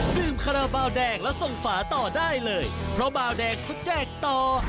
ดื่มคาราบาลแดงแล้วส่งฝาต่อได้เลยเพราะบาวแดงเขาแจกต่อ